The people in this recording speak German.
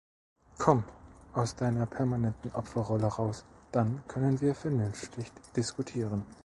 Komm aus deiner permanenten Opferrolle raus, dann können wir vernünftig diskutieren.